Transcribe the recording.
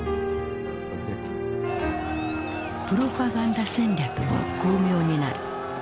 プロパガンダ戦略も巧妙になる。